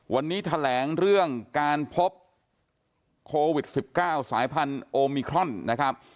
วันนี้แถลงเรื่องการพบโควิด๑๙สายพันธุ์โอมิครอนนะครับ